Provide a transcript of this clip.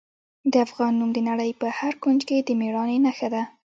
د افغان نوم د نړۍ په هر کونج کې د میړانې نښه ده.